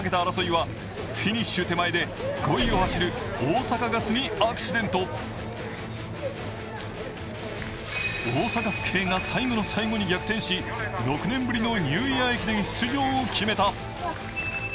そして最後の切符をかけた戦いはフィニッシュ手前で５位を走る大阪ガスにアクシデント大阪府警が最後の最後に逆転し、６年ぶりのニューイヤー駅伝出場を決めた。